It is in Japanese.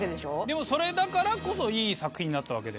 でもそれだからこそいい作品になったわけで。